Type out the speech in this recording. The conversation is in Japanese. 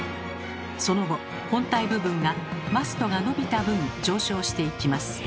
その後本体部分がマストが伸びた分上昇していきます。